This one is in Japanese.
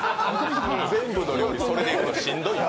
全部の料理それでいくのしんどい。